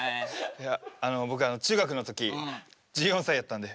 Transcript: いや僕あの中学の時１４歳やったんで。